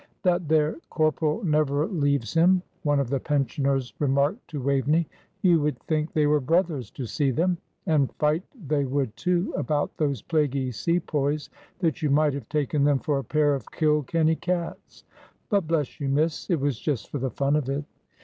"That there corporal never leaves him," one of the pensioners remarked to Waveney. "You would think they were brothers to see them and fight they would, too, about those plaguey Sepoys, that you might have taken them for a pair of kilkenny cats. But bless you, miss, it was just for the fun of it."